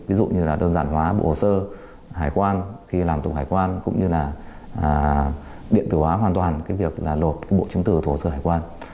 ví dụ như đơn giản hóa bộ hồ sơ hải quan khi làm tục hải quan cũng như điện tử hóa hoàn toàn việc lột bộ chứng từ hồ sơ hải quan